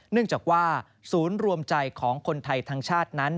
เนื่องจากว่าศูนย์รวมใจของคนไทยทั้งชาตินั้น